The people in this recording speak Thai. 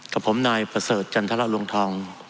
กับผมนายประเสริฐจันทรลวงทอง